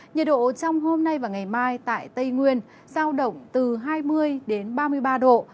nhiệt độ trong hôm nay và ngày mai tại tây nguyên giao động từ hai mươi ba mươi ba độ